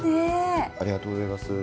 ありがとうございます。